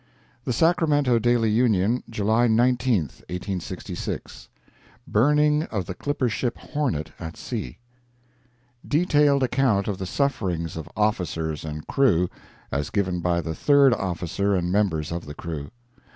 The Sacramento Daily Union, July 19, 1866 BURNING OF THE CLIPPER SHIP HORNET AT SEA Detailed Account of the Sufferings of Officers and Crew, as given by the Third Officer and Members of the Crew.